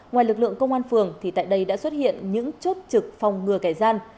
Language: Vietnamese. ngoài lực lượng công an phường thì tại đây đã xuất hiện những chốt trực phòng ngừa kẻ gian